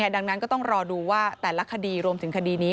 ดังนั้นก็ต้องรอดูว่าแต่ละคดีรวมถึงคดีนี้